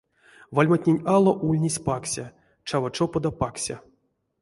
Вальматнень ало ульнесь пакся, чаво чопода пакся.